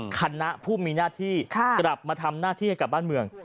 คณะผู้มีหน้าที่กลับมาทำหน้าที่ให้กับบ้านเมือง